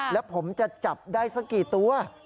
แล้วผมจะจับได้สักกี่ตัว